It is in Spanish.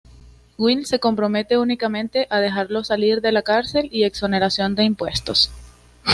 Will se compromete únicamente a dejarlo salir de la cárcel y exoneración de impuestos.